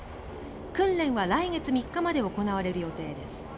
訓練は来月３日まで行われる予定です。